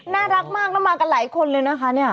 น่ารักมากแล้วมากันหลายคนเลยนะคะเนี่ย